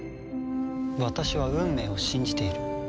私は運命を信じている。